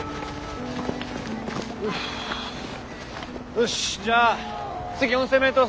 よしじゃあ次４，０００ｍ走。